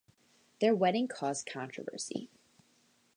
Their wedding caused controversy.